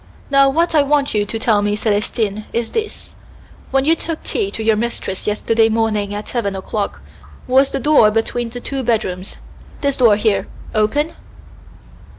"Now what I want you to tell me, Célestine, is this: when you took tea to your mistress yesterday morning at seven o'clock, was the door between the two bedrooms this door here open?"